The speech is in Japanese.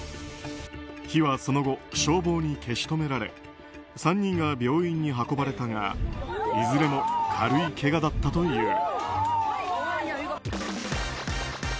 火は、その後消防に消し止められ３人が病院に運ばれたがいずれも軽いけがだったという。